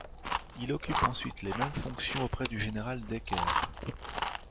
Il occupe ensuite les mêmes fonctions auprès du général Deckerr.